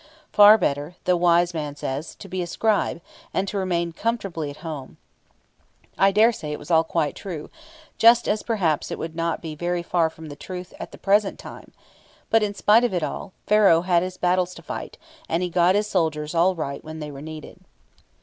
Far better, the wise man says, to be a scribe, and to remain comfortably at home. I dare say it was all quite true, just as perhaps it would not be very far from the truth at the present time; but, in spite of it all, Pharaoh had his battles to fight, and he got his soldiers all right when they were needed.